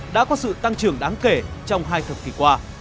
đã có sự tăng trưởng đáng kể trong hai thập kỷ qua